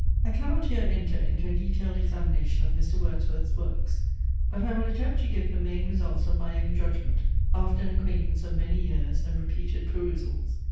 I cannot here enter into a detailed examination of Mr. Wordsworth's works; but I will attempt to give the main results of my own judgment, after an acquaintance of many years, and repeated perusals.